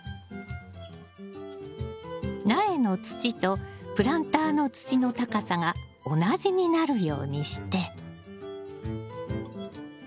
苗の土とプランターの土の高さが同じになるようにして。